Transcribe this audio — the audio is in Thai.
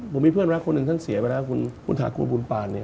ผมมีเพื่อนรักคนหนึ่งท่านเสียไปแล้วคุณถากูลบุญปานเนี่ย